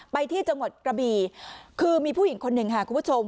ไปที่จังหวัดกระบีคือมีผู้หญิงคนหนึ่งค่ะคุณผู้ชม